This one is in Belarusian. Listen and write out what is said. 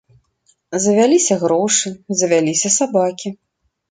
Завяліся грошы, завяліся сабакі.